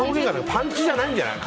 パンチじゃないんじゃない。